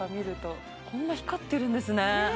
こんな光ってるんですね